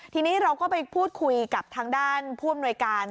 ทีนี้เราก็ไปพูดคุยกับทางด้านผู้อำนวยการ